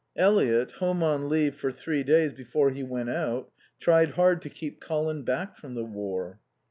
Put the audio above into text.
Eliot, home on leave for three days before he went out, tried hard to keep Colin back from the War.